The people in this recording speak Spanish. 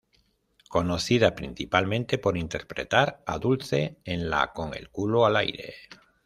Conocida principalmente por interpretar a Dulce en la Con el culo al aire.